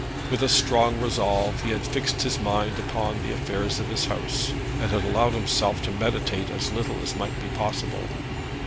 With a strong resolve he had fixed his mind upon the affairs of his house, and had allowed himself to meditate as little as might be possible.